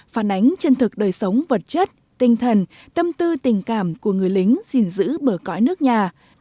phản ánh chân thực đời sống vật chất tinh thần tâm tư tình cảm của người lính gìn giữ bờ cõi nước nhà